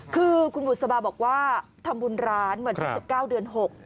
คือคุณบุษบาบอกว่าทำบุญร้านวันที่๑๙เดือน๖